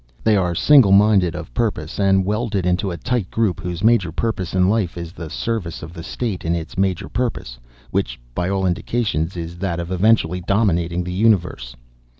They are single minded of purpose, and welded into a tight group whose major purpose in life is the service of the state in its major purpose, which, by all indications, is that of eventually dominating the universe.